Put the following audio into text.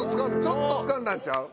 ちょっとつかんだんちゃう？